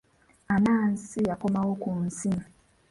Anansi yakomawo ku nsi.